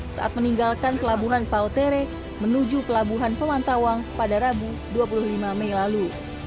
saat meninggalkan pelabuhan pautere menuju pelabuhan pemantawang pada rabu dua puluh lima mei lalu